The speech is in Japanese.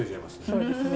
そうですね。